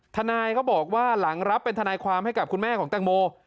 ทนายเขาบอกว่าหลังรับเป็นทนายความให้กับคุณแม่ของแตงโม